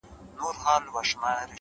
گل وي ياران وي او سايه د غرمې-